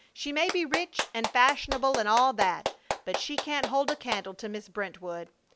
She may be rich and fashionable and all that, but she can't hold a candle to Miss Brentwood!